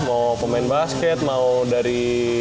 mau pemain basket mau dari